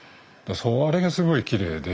それがすごいきれいで。